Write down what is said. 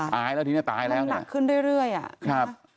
ตายแล้วทีนี้ตายแล้ว